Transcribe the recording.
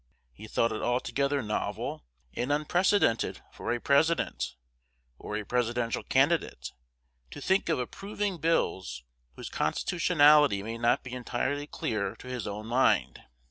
He thought it altogether novel and unprecedented for a President, or a Presidential candidate, to think of approving bills whose constitutionality may not be entirely clear to his own mind.